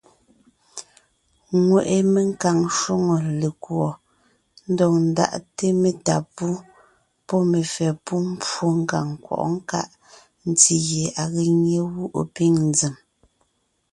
Ŋweʼe menkàŋ shwòŋo lekùɔ ndɔg ndáʼte metá pú pɔ́ mefɛ́ pú mbwó ngàŋ nkwɔʼɔ́ nkáʼ ntí gie à ge nyé gú ɔ̀ pîŋ nzèm.